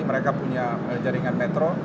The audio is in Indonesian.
mereka punya jaringan metro